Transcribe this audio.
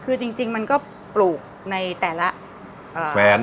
คือจริงมันก็ปลูกในแต่ละแขวน